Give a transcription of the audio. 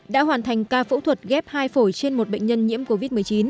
đã hoàn thành ca phẫu thuật ghép hai phổi trên một bệnh nhân nhiễm covid một mươi chín